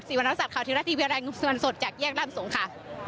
สีวรรณสัตว์ข่าวไทยรัตน์ทีวีแรงส่วนสดแจกแยกร่ำสงค์ค่ะ